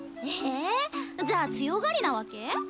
ええ？じゃあ強がりなわけ？